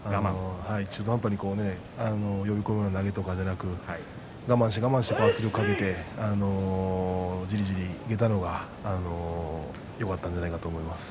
中途半端に呼び込む投げなんかじゃなくて我慢して我慢して圧力をかけてじりじりいったのがよかったんじゃないかと思います。